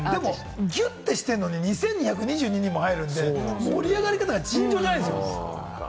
ギュッとしてるのに２２２２人も入るので、盛り上がり方が尋常じゃないんですよ。